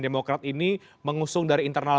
demokrat ini mengusung dari internal